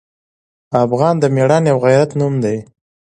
افغان د میړانې او غیرت نوم دی.